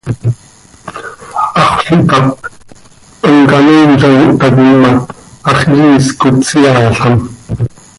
Haxöl ihtáp, hamcanoiin z ano htaquim ma, hax yiisc oo, tseaalam.